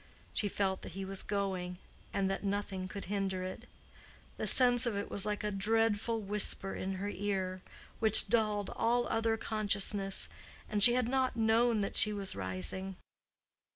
She felt that he was going, and that nothing could hinder it. The sense of it was like a dreadful whisper in her ear, which dulled all other consciousness; and she had not known that she was rising.